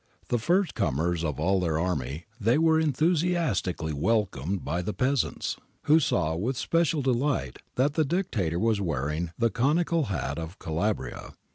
The first comers of all their army, they were enthusiastically welcomed by the peasants, who saw with special delight that the Dictator was wearing the conical hat of Calabria.